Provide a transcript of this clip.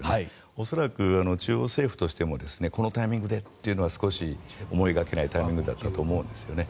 恐らく中央政府としてもこのタイミングでというのは少し思いがけないタイミングだったと思うんですよね。